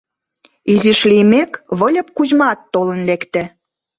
Изиш лиймек Выльып Кузьмат толын лекте.